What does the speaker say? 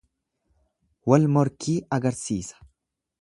Wal morkii agarsiisa.